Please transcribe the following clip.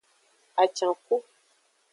Acanku.